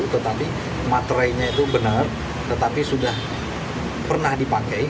tetapi materainya itu benar tetapi sudah pernah dipakai